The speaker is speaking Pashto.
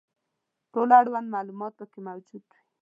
ټول اړوند معلومات پکې موجود وي.